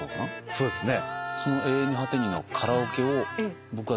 そうですね。